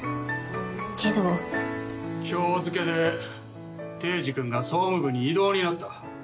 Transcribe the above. けど今日付けで堤司くんが総務部に異動になった。